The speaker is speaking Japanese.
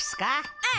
うん！